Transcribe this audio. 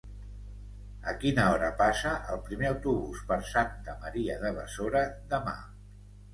A quina hora passa el primer autobús per Santa Maria de Besora demà?